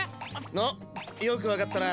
おっよく分かったな。